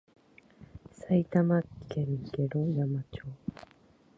埼玉県毛呂山町